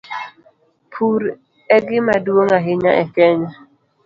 Pur e gima duong' ahinya e Kenya.